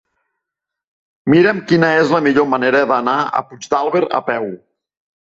Mira'm quina és la millor manera d'anar a Puigdàlber a peu.